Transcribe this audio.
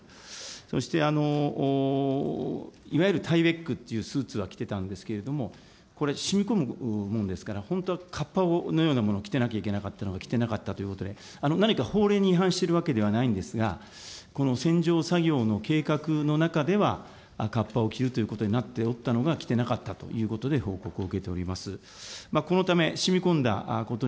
そしていわゆるというスーツは着てたんですけれども、これ、しみこむものですから、本当はかっぱのようなものを着ていなければいけなかったわけですが、着てなかったということで、何か法令に違反しているわけではないんですが、洗浄作業の計画の中では、かっぱを着るということになっておったのが着てなかったということで、報告を受けております。